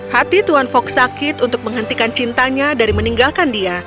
hati tuan fok sakit untuk menghentikan cintanya dari meninggalkan dia